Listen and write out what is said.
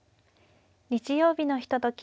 日曜日のひととき